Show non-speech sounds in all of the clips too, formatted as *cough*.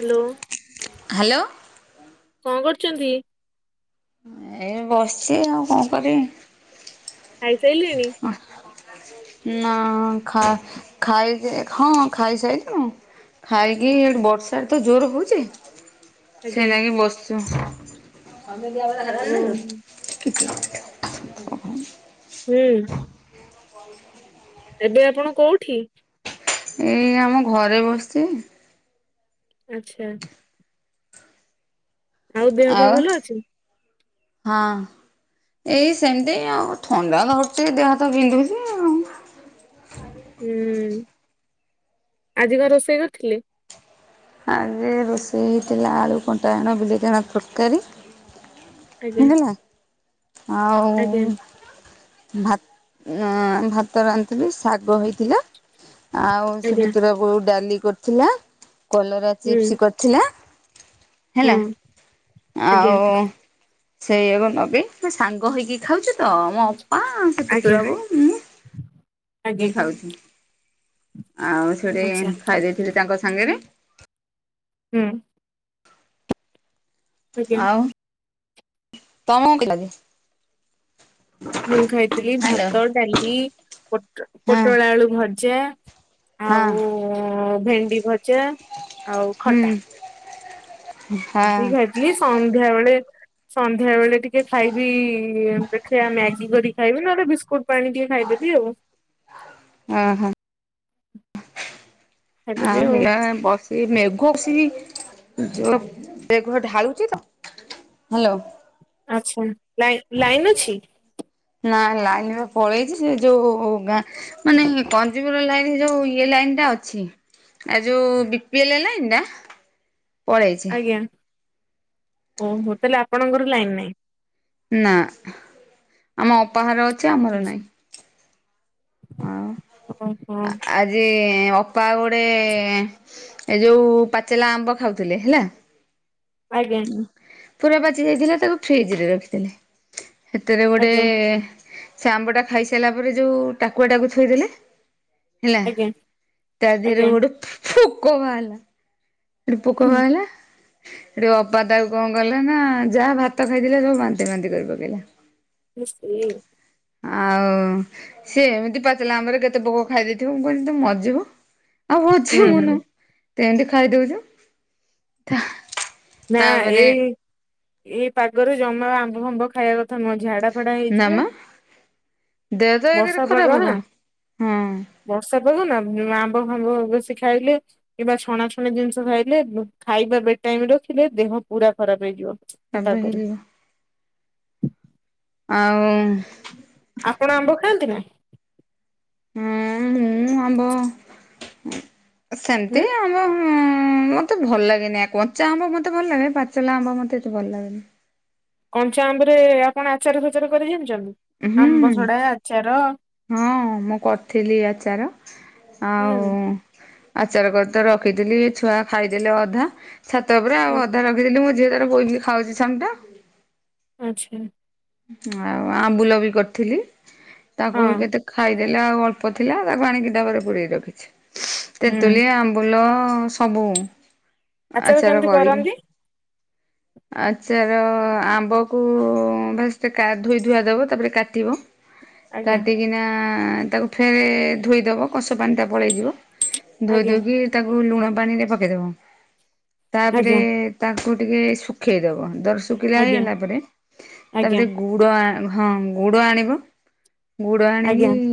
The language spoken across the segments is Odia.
ହ୍ୟାଲୋ। ହ୍ୟାଲୋ। କଣ କରୁଛନ୍ତି? ଏ ବସିଛି ଆଉ କଣ କରିବି। ଖାଇସାରିଲେଣି? ନା ଖାଇ ହଁ ଖାଇ ହଁ ଖାଇ ସାଇଲୁଣି? ଖାଇକି ଏଠି ବର୍ଷାରେ ତ ଜୋର ହଉଛି। ସେ ଆଜ୍ଞା ଯାଇ ବସିଚୁ ଓ *unintelligible* ହୁଁ। *unintelligible* ଏବେ ଆପଣ କୋଉଠି? ଏଇ ଆମ ଘରେ ବସିଚି। ଆଚ୍ଛା। ଆଉ ଦେହ ପା ଭଲ ଅଛି? ହଁ। ଏଇ ସେମିତି ଆଉ ଥଣ୍ଡା ଧରୁଚି ଦେହ ହାତ ପିନ୍ଧୁଚି। ହୁଁ ଆଜିି କଣ ରୋଷେଇ କରିଥିଲେ? ଆଜି ରୋଷେଇ ହେଇଥିଲା ଆଳୁ କଣ୍ଟାଏଣ *unintelligible* ବାଇଗଣ ବିଲ ଜଣ ତରକାରୀ। ଆଜ୍ଞା। ହେଲା। ଆଜ୍ଞା ଆଉ। ଭାତ ଭାତ ରାନ୍ଧିଥିଲି ଶାଗ ହେଇଥିଲା। ଆଉ ସେ ଆଜ୍ଞା ପତୁର ବୋହୁ ଡାଲି କରିଥିଲା କଲରା ହୁଁ ଚିପ୍ସ କରି ଥିଲା ହେଲା ହଁ ଆଜ୍ଞା ଆଉ *unintelligible* ସେଇବନବି ସାଙ୍ଗ ହେଇକି ଖାଉଚୁତ ମୋ ସେ ଆଜ୍ଞା। ଆଜ୍ଞା ବି ଖାଉଚି ଆଉ ସେଠି ଆଚ୍ଛା ଖାଇ ଦେଇଥିଲି ତାଙ୍କ ସାଙ୍ଗରେ ହୁଁ। ଆଜ୍ଞା ଆଉ ତମକୁ କେନ୍ତି ଲାଗେ? *unintelligible* ମୁଁ ଖାଇଥିଲି ହ୍ୟାଲୋ ଭାତ ଡାଲି ପୋଟ ହଁ ପୋଟଳ ଆଳୁ ଭଜା। ହଁ ଆଉ ଭେଣ୍ଡି ଭଜା ଆଉ ହୁଁ ଖଟା। ହଁ ଏତିକି ଖାଇଥିଲି ସନ୍ଧ୍ୟାବେଳେ ସନ୍ଧ୍ୟାବେଳେ ଟିକେ ଖାଇବି ଦେଖିଆ ମ୍ୟାଗି କରି ଖାଇବି ନେହେଲେ ବିସ୍କୁଟ୍ ପାଣି ଟିକେ ଖାଇଦେବି ଆଉ। ଅଁ ହଁ। ଆଉ *unintelligible* ଏ ମେଘ ସେ ଯୋଉ ମେଘ ଢାଳୁଚି ତ। ଆଚ୍ଛା ଲାଇନ୍ ଲାଇନ୍ ଅଛି? ନା ଲାଇନବା ପଳେଇଚି ସେ ଯୋଉ ଗାଁ ମାନେ କଞ୍ଜିବର ଲାଇନ ଯୋଉ ଇଏ ଲାଇନ ଟା ଅଛି। ଆ ଯୋଉ ବିପିଏଲ ଲାଇନ୍ ଟା ପଳେଇଛି ଆଜ୍ଞା ଓହୋ ତାଲେ ଆପଣଙ୍କର ଲାଇନ ନାହିଁ। ନା ଆମ ଅପା ଘର ଅଛି ଆମର ନାଇଁ। ଓ ହୋ। ଯେ ଅପା ଗୋଟେ ଏ ଯୋଉ ପାଚେଲା ଆମ୍ବ ଖାଉଥିଲେ ହେଲା। ଆଜ୍ଞା। ପୁରା ପାଚି ଯାଇଥିଲା ତାକୁ ଫ୍ରିଜରେ ରଖିଥିଲେ। ହେଥେରେ ଗୋଟେ ଆଜ୍ଞା ସେ ଆମ୍ବଟା ଖାଇସାରିଲା ପରେ ଯୋଉ ଟାକୁଆଟାକୁ ଥୋଇଦେଲେ। ହେଲା ଆଜ୍ଞା ତା ଦିହେରେ ଆଜ୍ଞା ଗୋଟେ ଫୋ-ଫୋକ ବାହାରିଲା। ସେଠୁ ପୋକ ହୁଁ ବାହାରିଲା ହେଠୁ ଅପା ତାକୁ କଣ କଲେ ନା ଯାହା ଭାତ ଖାଇଥିଲା ସବୁ ବାନ୍ତି ଫାନ୍ତି କରି ପକେଇଲେ। ଇସି ଆଉ ସେ ଏମିତି ପାଚିଲା ଆମ୍ୱରେ କେତେ ପୋକ ଖାଇ ଦେଇେଥିବେ ମୁଁ କହିନି ତମେ ମରିଯିବ। ଆଉ *inaudible* ତୁ ହୁଁ ଏମିତି ଖାଇଦଉଚୁ। ନା ଏ-ଏ ପାଗରେ ଜମା ଆମ୍ବ ଫାମ୍ବ ଖାଇବା କଥା ନୁହଁ। ଝାଡା ଫାଡା ନାମ ହେଇଯିବେ ଦେହ ତ ଏକରେ ବର୍ଷା ଖରାପ ପାଗ ହବ। ନା। ହଁ ବର୍ଷା ପାଗ ନା ଆମ୍ବ ଫାମ୍ବ ବେଶୀ ଖାଇଲେ କିମ୍ବା ଛଣାଛଣି ଜିନିଷ ଖାଇଲେ ଖାଇବା ବେଟାଇମ ରଖିଲେ ଦେହ ପୁରା ଖରାପ ହେଇଯିବ। ଏ ପାଗରେ *unintelligible* ଆଉ ଆପଣ ଆମ୍ବ ଖାଆନ୍ତି ନା? ହୁଁ ମୁଁ ଆମ୍ୱ ସେମତି ହୁଁ ଆମ୍ୱ ଉଁ ମତେ ଭଲ ଲାଗେନି କଞ୍ଚା ଆମ୍ବ ମତେ ଭଲ ଲାଗେ ପାଚିଲା ଆମ୍ବ ମତେ ଏତେ ଭଲ ଲାଗେନି। କଞ୍ଚାଆମ୍ବ ରେ ଆପଣ ଆଚାର ଫାଚାର କରି ଜାଣିଚନ୍ତି ହୁଁ। ଆମ୍ବସଡା ଆଚାର ହଁ ମୁଁ କରିଥିଲି ଆଚାର ଆଉ ହୁଁ ଆଚାର କରି ତ ରଖିଥିଲି ଛୁଆ ଖାଇଦେଲେ ଅଧା ଛାତଉପରେ ହୁଁ ଆଉ ଅଧା ରଖ୍ ଥିଲି ମୋ ଝିଅ ତାର ବୋହିକି ଖାଉଚି ସାନଟା। ଆଚ୍ଛା। ଆଉ ଆମ୍ବୁଲ ବି କରିଥିଲି ତାକୁ ବି ହଁ କେତେ ଖାଇ ଦେଲେ ଆଉ ଅଳ୍ପ ଥିଲା ତାକୁ ଆଣିକି ଡବାରେ ପୁରେଇକି ରଖିଚି। ହୁଁ ତେନ୍ତୁଲି ଆମ୍ୱ ବୁଲ ସବୁ ଆଚାର କେମିତି କରିକି। କରନ୍ତି? ଆଛାର ଆମ୍ୱକୁ ବାସ୍ ସେ କା ଧୋଇ ଧୁଆ ଦବ ତାପରେ କାଟିବ ଆଜ୍ଞା କାଟିକିନା ତାକୁ ଫେରେ ଧୋଇଦେବ କଷ ପାଣିଟା ପଳେଇଯିବ ଆଜ୍ଞା ଧୋଇଦୋଇକି ତାକୁ ଲୁଣ ପାଣିରେ ପକେଇଦବ। ତାପରେ ଆଜ୍ଞା ତାକୁ ଟିକିଏ ଶୁଖେଇଦବ ଦର ଶୁଖିଲା ଆଜ୍ଞା ହେଇଗଲା ପରେ। ଆଜ୍ଞା ତାପରେ ଗୁଡ ହଁ ଗୁଡ ଆଣିବ ଗୁଡ ଆଣିକି ଆଜ୍ଞା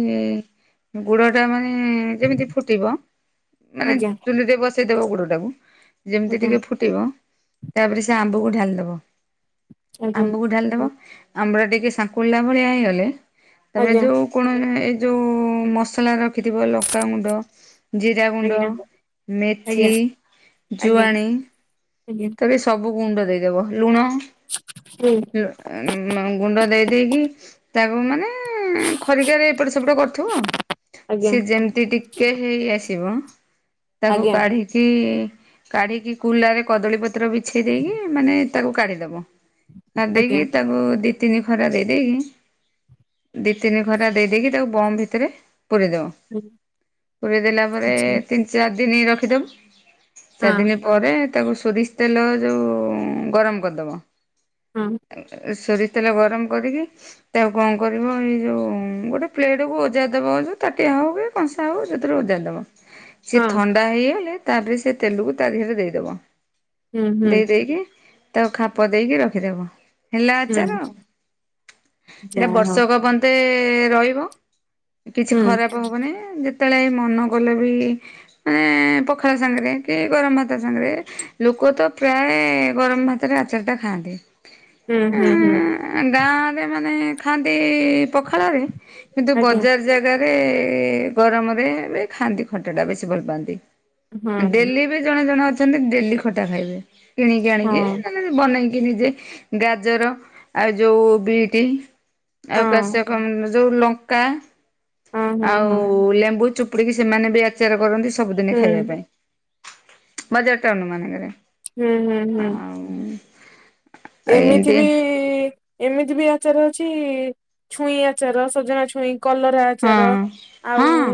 ଗୁଡଟା ମାନେ ଯେମିତି ଫୁଟିବ ମାନେ ଚୁଲିରେ ବସ ସେଇ ଦବ ଗୁଡଟାକୁ ଯେମିତି ଟିକେ ଫୁଟିବ ତାପରେ ସେ ଆମ୍ବକୁ ଢାଳିଦବ। ଆଜ୍ଞା ଆମ୍ବକୁ ଢାଳିଦବ ଆମ୍ବଟା ଟିକେ ଶାଙ୍କୁଳିଲା ଭଳିଆ ହେଇଗଲେ ତାପରେ ଆଜ୍ଞା ଯୋଉ କୋଣରେ ଏଇ ଯଉଁ ମସଲା ରଖିଥିବ ଲଙ୍କାଗୁଣ୍ଡ। ଜିରା ଆଜ୍ଞା ଗୁଣ୍ଡ, ଆଜ୍ଞା ମେଥି, ଆଜ୍ଞା ଆଜ୍ଞା ଜୁଆଣି। ଆଜ୍ଞା। ସବୁ ଗୁଣ୍ଡ ଦେଇଦବ ଲୁଣ। ହୁଁ। ଗୁଣ୍ଡ ଦେଇ ଦେଇକି ତାକୁ ମାନେ। ଉଁ ଖରିକାରେ ଏପଟ ସେପଟ କରୁଥିବ ସେ ଆଜ୍ଞା ଯେମ ମିତି ଟିକେ ହେଇ ଆସିବ ତାକୁ ଆଜ୍ଞା କାଢିକି କାଢିକି କୁଲାରେ। କଦଳୀ ପତ୍ର ବିଛେଇ ଦେଇକି ମାନେ ତାକୁ କାଢିଦବ କାଢି ଦେଇକି ଆଜ୍ଞା ତାକୁ ଦି। ତିନି ଖରା ଦେଇ ଦେଇକି। ଦିଇ ତିନି ଖରା ଦେଇଦେଇକି ତାକୁ ବମ୍ ଭିତରେ ପୁରେଇଦବ। ଆଜ୍ଞା ପୁରେଇଦେଲା ପରେ ଆଚ୍ଛା ତିନି ଚାରି ଦିନ ରଖିଦବ ଚାରି ହଁ ଦିନ ପ ପରେ ତାକୁ ସୋରିଷ ତେଲ ଯୋଉ ଗରମ କରିଦବ। ହଁ। ସୋରିଷ ତେଲ ଗରମ କରିକି। ତାକୁ କଣ କରିବ ଏଇ ଯୋଉ ଗୋଟେ ପ୍ଲେଟକୁ ଓଜାଡି ଦବ ଯୋଉ ତାଟିଆ ହଉ କି। କଂସା ହଉ ଯଉଥିରେ ଓଜାଡି ଦବ ସିଏ ହଁ ଥଣ୍ଡା ହେଇଗଲେ ତାପରେ ସେ ତେଲକୁ ତା ଦିହରେ ଦେଇଦବ। ହୁଁ ଦେଇ ହୁଁ ଦେଇକି ତାକୁ ଖାପ ଦେଇକି ରଖିଦବ। ହେଲା ଆଚାର ହୁଁ ସେଟା ଯାହା ହଉ ବର୍ଷକ ପ ଯ୍ୟତେ ରହିବ କିଛି ହୁଁ ଖରାପ ହବନି ଯେ ଯେତେବେଳେ ମନ କଲେ ବି ମାନେ ପଖାଳ ସାଙ୍ଗରେ କି ଗରମ ଭାତ ସାଙ୍ଗରେ। ଲୋକ ତ ପ୍ରାୟ ଗରମ ଭାତରେ ଆଚାର ଟା ଖାଆନ୍ତି। ହୁଁ ହୁଁ ହୁଁ। ଉଁ ଗାଁରେ ମାନେ ଖାଆନ୍ତି ପଖାଳରେ କିନ୍ତୁ ଆଜ୍ଞା ବଜାର ସବୁ ଜାଗାରେ ଗରମରେ ବି ଖାଆନ୍ତି ଖଟାଟା ବେଶୀ ଭଲ ପାଆନ୍ତି। ହଁ ହଁ ଡେଲି ବି ଜଣେ ଜଣେ ଅଛନ୍ତି ଡେଲି ଖଟା ଖାଇବେ କିଣିକି ହଁ ଆଣିକି ନ ବନେଇକି ନିଜେ ଗାଜର ଆଉ ଯୋଉ ବିଟି। ହଁ ଆଉ କାଶକମ ଯୋଉ ଲଙ୍କା ହଁ ଆଉ ହଁ ଲେମ୍ବୁ ଚୁପୁ ଚୁପୁଡିକି ସେମାନେ ବି ଆଚାର କରନ୍ତି ସବୁଦିନେ ହୁଁ ଖାଇବା ପାଇଁ ବଜାର ଟାଉନ୍ ମାନଙ୍କରେ। ହୁଁ ହୁଁ ହୁଁ। ହୁଁ। ଏମିତି ବି। ଏମିତି ବି ଆଚାର ଅଛି ଛୁଇଁ ଆଚାର ସଜନା ଛୁଇଁ କଲରା। ହଁ ଆଚାର ହଁ ଆଉ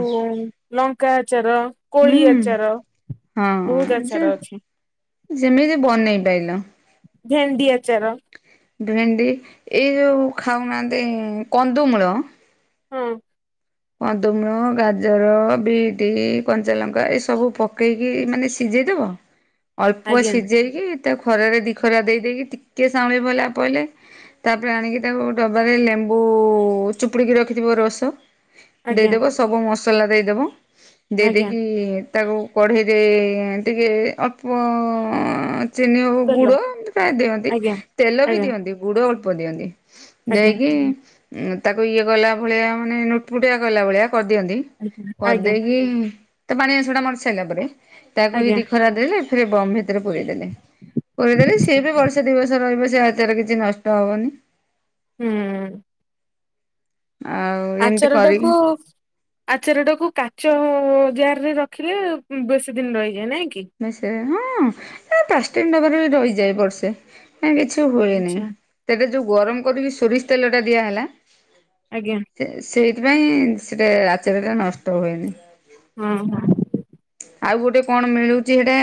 ଲଙ୍କା ଆଚାର କୋଳି ହୁଁ। ଆଚାର। ବହୁତ ହଁ ଯେ ଆଚାର ଅଛି ଯେମିତି ବନେଇ ପାଇଲ। ଭେଣ୍ଡି ଆଚାର। ଭେଣ୍ଡି ଏ ଯୋଉଁ ଖାଉନାହାନ୍ତି କନ୍ଦୁମୂଳ। ହଁ। କନ୍ଦମୂଳ, ଗାଜର, ବିଟ୍, କଞ୍ଚାଲଙ୍କା ଏସବୁ ପକେଇକି ମାନେ ସିଝେଇଦେବ। *inaudible* ଅଳ୍ପ ଆଜ୍ଞା ସିଝେଇକି ତା କୁ ଖରାରେ ଦି ଖରା ଦେଇଦେଇକି ଟିକେ ସାଉଁଳି ମଲା ପଇଲେ ତାପରେ ଆଣିକି ତାକୁ ଡବାରେ ଲେମ୍ବୁ ଚୁପୁଡ଼ିକି ରଖିଥିବ ରସ। ଆଜ୍ଞା ଦେଇଦବ ସବୁ ମସଲା ଦେଇଦବ ଦେଇ ଆଜ୍ଞା ଦେଇକି ତାକୁ କଢ଼େଇରେ ଟିକେ ଅଳ୍ପ ଚିନି ହଉ କହିଲ ଗୁଡ ଏମିତି ପ୍ରାୟ ଦିଅନ୍ତି ଆଜ୍ଞା ତେଲ ବି ଆଜ୍ଞା ଦିଅନ୍ତି ଗୁଡ ଅଳ୍ପ ଦିଅନ୍ତି। ଆଜ୍ଞା ଦେଇକି ତାକୁ ଇଏ ଗଲା ଭଳିଆ ମାନେ ନୁଟପୁଟିଆ କଲା ଭଳିଆ କରିଦିଅନ୍ତି। କରି ଆଜ୍ଞା ଦେଇକି ତା ପାଣି ଅସଂ ଟା ମରି ସାଇିଲଲା ପରେ ତାକୁ ଆଜ୍ଞା ହେଇଦି ଖରା। ଫ ବ ଭିତରେ ପୁର ଦେେଲେ ପୁରୀ ଦେେଲେ ସିଏ ଆଛା ବି ବର୍ଷା ଦିବସ ରହିବ ସେ ଭିତରେ କିଛି ନଷ୍ଟ ହବନି। ହୁଁ। ଆଉ। ଏମିତି ଆଚାର କରିକି ଟାକୁ ଆଚାରଟାକୁ କାଚ ଜାର ରେ ରଖିଲେ ବେଶୀ ଦିନ ରହିଯାଏ ନାଇଁ କି? ହଁ ପାଷଟିକି ଦବା ରେ ବି ରହିଯାଏ ବର୍ଷେ। ନାଇଁ କିଛି ହୁଏନି ଆଛା ସେଟା ଯୋଉ ଗରମ କରିକି ସୋରିଷ ତେଲ ଟା ଦିଆହେଲା ଆଜ୍ଞା। ସେ ସେଇଥିପାଇଁ ସେଟା ଆଚାରଟା ନଷ୍ଟ ହୁଏନି। ହୁଁ ହୁଁ। ଆଉ ଗୋଟେ କଣ ମିଳୁଛି ହେଟା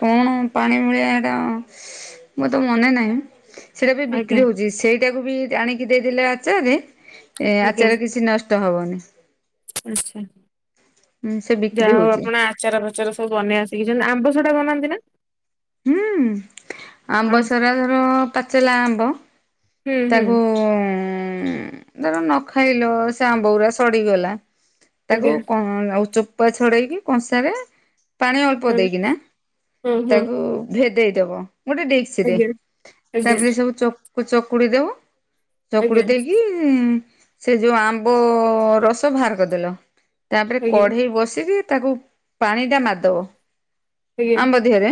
କଣ ପାଣି ଭଳିଆ ହେଟା। ମ ତ ମନେ ନାଇଁ। ସେଇଟା ବି ଆଜ୍ଞା ବିକ୍ରି ହଉଛି ସେଇଟାକୁ ବି ଆଣିକି ଦେଇଦେଲେ ଆଚାରରେ ଏ ଆଜ୍ଞା ଆଚାର କିଛି ନଷ୍ଟ ହବନି। ଆଛା ସେ ବିକ୍ରି ଯାହା ହଉ ହଉଛି ଆପଣ ଆ ଆଚାର ଫାଚାର ସବୁ ବନେଇବା ଶିଖି ଛନ୍ତି। ଆମ୍ବ ଶଢା ବନାନ୍ତି ନା? ହୁଁ ଆଁ ଆମ୍ବ ସାରା ଧର ପାଚଲା ଆମ୍ବ। ହୁଁ ହୁଁ ତାକୁ ଧର ନଖାଇଲ ସେ ଆମ୍ବ ଗୁରା ସଡିଗଲା। ତାକୁ ଆଜ୍ଞା ଆଉ ଚୋପା ଛଡେଇକି କଂସା ରେ ପାଣି ଅଳ୍ପ ହଁ ଦେଇକିନା ହଁ ହଁ ତାକୁ ଭେଦେଇ ଦବ ଗୋଟେ ଡ଼ିସ ରେ ଆଜ୍ଞା ଆଜ୍ଞା ତାପରେ ସବୁ ଚକୁଡି ଦବ। ଚକୁଡି ଆଜ୍ଞା ଦେଇକି ସେ ଯୋଉ ଆମ୍ବ ରସ ବାହାର କରିଦେଲ। ତା'ପରେ କଢେଇ ବସେଇ କି ତାକୁ ପାଣି ଟା ମାରି ଦବ। ଆଜ୍ଞା ଆମ୍ବ ଦିହରେ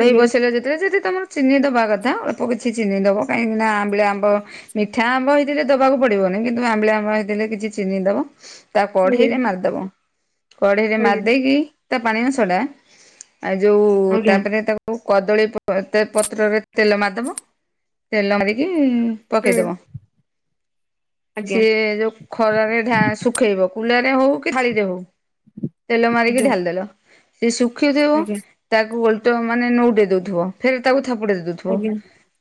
ଆଜ୍ଞା ଆଜ୍ଞା ବସେଇଲା ଯେତେବେଳେ ଯଦି ତମର ଚିନି ଦେବା କଥା ଅଳ୍ପ କିଛି ଚିନି ଦବ କାହିଁକିନାଆମ୍ବିଳି ଆମ୍ବ। ମିଠା ଆମ୍ବ ହେଇଥିଲେ ଦବାକୁ ପଡିବନି କିନ୍ତୁ ଆମ୍ବିଳି ଆମ୍ବ ହେଇଥିଲେ କିଛି ଚିନି ଦବ। ତାକୁ ଆଜ୍ଞା କଢେଇରେ ମାରିଦବ। କଢେଇରେ ଆଜ୍ଞା ମାରି ଦେଇେଇକି ତା ପାଣି ଅଂଶ ଟା ଯୋଉ ଆଜ୍ଞା ତାପରେ ତାକୁ ଆଉ କଦଳୀ ପତ୍ରରେ ତେଲ ମାରିଦବ। ତେଲ ମାରିକି ହୁଁ ପକେଇଦବ। ଆଜ୍ଞା ଆଜ୍ଞା ସିଏ ଯୋଉ ଖରାରେ ଢାଳି ଶୁଖେଇବ। କୁଲାରେ ହଉ କି ଥାଳିରେ ହଉ। ତେଲ ମାରିକି ଆଜ୍ଞା ଢାଲି ଦେଲ ସେ ଶୁଖୁଥିବ। ତାକୁ ଓଲଟ ମାନେ ନଉଟେ ଦଉଥିବ ଫେର ତାକୁ ଥାପଡେଇ ଦଉଥିବ। ଆଜ୍ଞା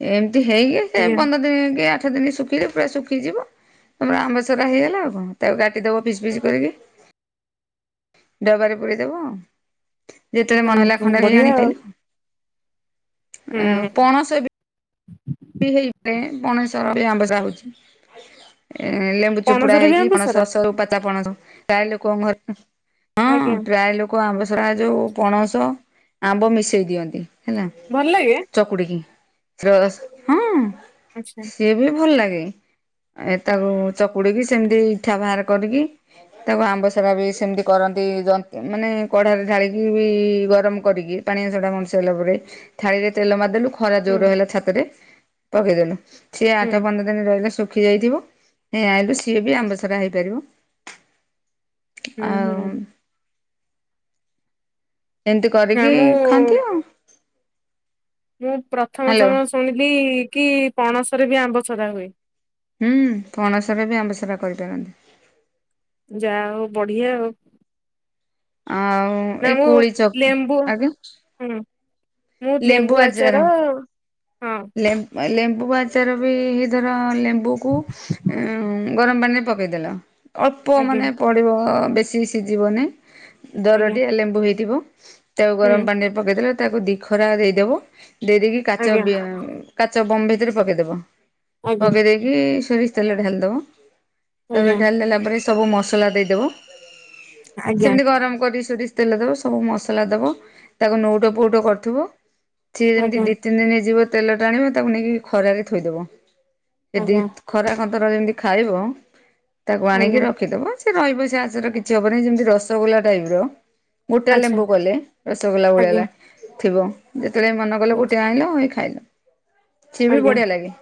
ଏ ହେଇକି ସେ ଆଜ୍ଞା ପନ୍ଦର ଦିନ କି ଆଠ ଦିନ ଶୁଖିଲେ ପୁରା ଶୁଖିଯିବ। ତମର ଆମ୍ବସରା ହେଇଗଲା ଆଉ କଣ ତାକୁ ଗାଟି ଦବ ପିସ୍ ପିସ୍ କରିକି। ଡବାରେ ପୁରେଇ ଦବ ଯେତେବେଳେ ମନ ହେଲା ଓହୋ ଖଣ୍ଡେ ହେଇ ବଢିଆ ଆଣି ଆଉ ଖାଇଲି। ହୁଁ ଆଉ ପଣଷ ହେଇପେ ଗଣେଶ ଘରେ ଆମ୍ବ ଯା ହଉଛି, ଲେ ଚୁପୁଡା ପଣସରେ ବି ହେଇକି ପଣସ ଆମ୍ବସରା ରସ ରୁ ପା ତା ପଣସ ପ୍ରାୟ ଲୋକଙ୍କ ଘର ହଁ ଆଜ୍ଞା ପ୍ରାୟ ଲୋକ କୋଉ ଆମ୍ବ ସରାରେ ଯଉ ପଣସ ଆମ୍ବ ମିଶେଇ ଦିଅନ୍ତି ହେଲା ଭଲ ଲାଗେ? ଚକୁଡିକି ରସ ହଁ। ଆଚ୍ଛା। ଏବେ ବି ଭଲ ଲାଗେ ଏ ତାକୁ ଚକୁଡିକି ଆଚ୍ଛା ହୁଁ ସେମିତି ଇଠା ବାହାର କରିକି ତାକୁ ଆମ୍ବସରା ବି ସେମିତି କରନ୍ତି ଯ ମାନେ କଢ଼ାରେ ଢାଳିକି ବି ଗରମ କରିକି। ପାଣି ରାସ ଟା ମରି ସାଇଲା ପରେ ଥାଳିରେ ତେଲ ମାରଦେଲୁ ଖରା ହୁଁ ଜୋର ହେଲା ଛାତରେ ପକେଇ ଦେଲୁ ସେ ଆଠ ହୁଁ ପନ୍ଦର ରହିଲେ ଶୁଖି ଯାଇଥିବ ହେ ଆଇିଲୁ ସିଏ ବି ଆମ୍ବ ସାରା ହେଇପାରିବ। ଆଉ। ହୁଁ ଏମିତି ନା କରିକି ମୁଁ ଖାଆନ୍ତି ଆଉ। ମୁଁ ପ୍ରଥମ ହ୍ୟାଲୋ ସମୟ ଶୁଣିଲି କି ପଣସରେ ବି ଆମ୍ବସରା ହୁଏ। ହୁଁ ପଣସ ରେ ବି ଆମ୍ବସାରା କରିପାରନ୍ତି। ଯାହା ଆଉ ବଢିଆ ଆଉ। ଆଉ ନା ଏଇ ମୁଁ କୋଳି ଚକ ଲେମ୍ବୁ ଆଜ୍ଞା। ହୁଁ ମୁଁ ଲେମ୍ବୁ ଆଚାର ହଁ ଲେମ୍ବୁ ଲେମ୍ବୁ ଆଚାର ବି ଧର ଲେମ୍ବୁକୁ ଉ ଗରମ ପାଣିରେ ପକେଇ ଦେଲ ଅଳ୍ପ ଆଜ୍ଞା ମାନେ ପଡିବ ବେଶୀ ସିଝିବନି। ଆଜ୍ଞା ଦରଟିଆ ଲେମ୍ବୁ ହେଇଥିବ ତାକୁ ଗରମ ହୁଁ ପାଣିରେ ପକେଇ ଦେଲେ ତାକୁ ଦି ଖରା ଦେଇଦବ ଦେଇ ଦେଇେକି କାଚ ଆଜ୍ଞା କାଚ ବମ୍ ଭିତରେ ପକେଇଦବ। ଆଜ୍ଞା ପକେଇ ଦେଇକି ସୋରିଷ ତେଲ ଢାଳି ଦବ ତା ପରେ ଆଜ୍ଞା ଢାଳି ଦେଲା ପରେ ସବୁ ମସଲା ଦେଇଦେବ ଆଜ୍ଞା ସେମିତି ଗରମ କରିିକି ସୋରି ତେଲ ଦବ ସବୁ ମସଲା ଦବ ତାକୁ ନଉଟ ପଉଟ କରିଥିବ ସିଏ ଏମତି ଦି ଆଜ୍ଞା ଦି ତିନି ଦିନ ଯିବ ତେଲ ଟାଣିବ ତାକୁ ନେଇକି ଖରାରେ ଥୋଇଦେବ ସେ ଦି ଆଜ୍ଞା ଖରା ଖନ୍ତର ଯେମିତି ଖାଇବ ତାକୁ ଆଜ୍ଞା ଆଣିକି ରଖିଦବ ସେ ସେ ରହିବ ସେ ଆଚର କିଛି ହବ ନାହିଁ ଯେମିତି ରସଗୋଲା ଟାଇପ୍ ର ଗୋଟା ଆଚ୍ଛା ଲେମ୍ବୁ କଲେ ରସଗୋଲା ଭଳିଆ ଆଜ୍ଞା ଲାଗୁଥିବ ଯେତେବେଳେ ମନ ଗଲ ଗୋଟେ ଆଣିଲ ହେ ଖାଇଲ ସିଏ ବି ଆଜ୍ଞା ବଢ଼ିଆ ଲାଗେ।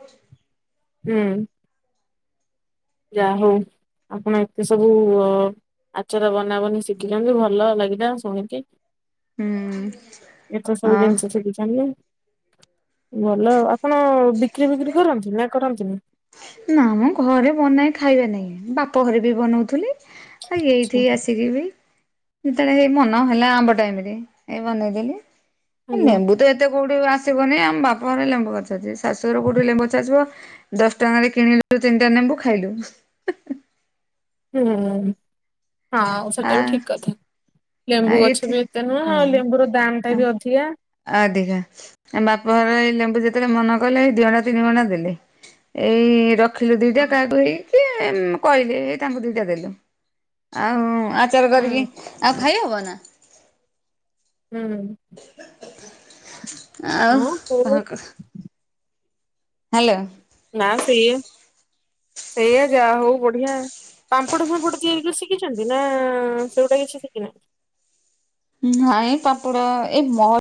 ହୁଁ। ଯାହା ହଉ ଆପଣ ଏତେ ସବୁ ଅ ଆଚାର ବନାବନି ଶିଖିଛନ୍ତି ଭଲ ଲାଗିଲା ଶୁଣିକି। ହୁଁ। ଏଥର ସବୁ ହଁ। ଜିନିଷ ଶିଖୁଛନ୍ତି ଭଲ ଆପଣ ବି ବିକ୍ରି ଫିକ୍ରି କରନ୍ତି ନା କରନ୍ତିନି। ନା ମୁଁ ଘରେ ବନାଏ ଖାଇବା ନାାଇଁ ବାପ ଘରେ ବି ବନଉଥିଲି ଆଉ ଏଇଠି ଆସି ଆଛା ଆସିକି ବି ଯେତେବେଳେଇ ମନ ହେଲା ଆମ୍ବ ଟାଇମ୍ ରେ ଏଇ ବନେଇଦେଲି। ହେ ଆଜ୍ଞା ନେମ୍ବୁ ତ ଏତ୍ ଏତେ କୋଉଠି ଆସିବନି ଆମ ବାପଘରେ ଲେମ୍ବୁ ଗଛ ଆଛିି ଶାୁୁଶୁଘରେ କୋଉଠି ଲେମ୍ବଗଛ ଆଶିବ ଦସ ଟାରେ କିଣିଲୁ ତିନିଟା ନେମ୍ବୁ ଖାଇଲୁ। ହୁଁ, ହଁ ଆ ସେଟା ବି ଠିକ୍ କଥା। ଲେମ୍ବୁ ଗଛ ଏଇଠି ବି ଏତେ ନୁହେଁ ଆଉ ହଁ। ଲେମ୍ବୁ ର ଦାମ୍ ଟା ବି ଅଧିକା ଅଧିକା ବାପ ଘରେ ଏଇ ଲେମ୍ବୁ ଯେତେବେଳେ ମନେ କଲେ ଦି ଗଣ୍ଡା ତିନି ଗଣ୍ଡା ଦେଲେ। ଏଇ ର ରଖିଲୁ ଦିଟା ହୁଁ କାହାକୁ ହେଇକି କହିଲି ହେଇ ତାଙ୍କୁ ଦିଟା ଦେଲୁ। ଆଉ ଆ ଚାର କରିକି ହୁଁ ଆଉ ଖାଇ ହବ ନା? ହୁଁ। ଆଉ କହ ହଉ କ ହ୍ୟାଲୋ। ନା ସେଇଆ ସେଇଆ ଯାହଉ ବଢିଆ। ପାମ୍ପଡ଼ ଫାମ୍ପଡ଼ ତିଆରି କରି ଶିଖିଛନ୍ତି ନା ସେଇ ଗୁଟା କିଛି ଶିଖି ନାହାଁନ୍ତି? ନାଇଁ ପାମ୍ପଡ଼ ଏ ମ